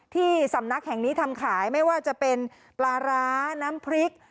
ที่สำนักแห่งนี้ทำขายไม่ว่าจะเป็นปลาร้าน้ำพริก